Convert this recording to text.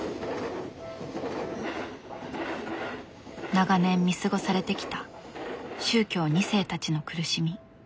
長年見過ごされてきた宗教２世たちの苦しみ。